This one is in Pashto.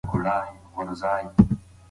د انا ټول ځان له یخنۍ رېږدېده.